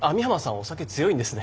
お酒強いんですね。